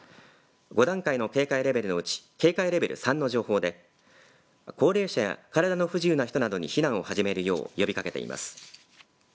５段階の警戒レベルのうち警戒レベル３の情報で高齢者や体の不自由な人などに避難を始めるよう呼びかけています。